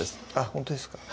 ほんとですか？